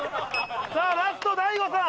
さあラスト大悟さん！